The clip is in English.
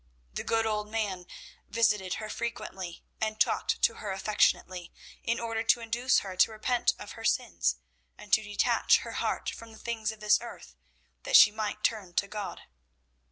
The good old man visited her frequently and talked to her affectionately, in order to induce her to repent of her sins, and to detach her heart from the things of this earth, that she might turn to God.